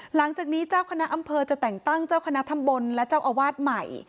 หลังจากนี้เจ้าคณะอำเภอจะแต่งตั้งเจ้าคณะตำบลและเจ้าอาวาสใหม่